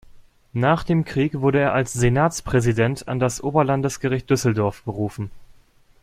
Nach dem Krieg wurde er als Senatspräsident an das Oberlandesgericht Düsseldorf berufen.